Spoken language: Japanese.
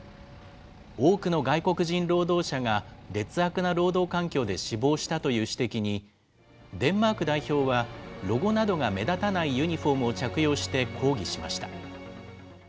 多くの外国人労働者が劣悪な労働環境で死亡したという指摘に、デンマーク代表は、ロゴなどが目立たないユニホームを着用して抗議しました。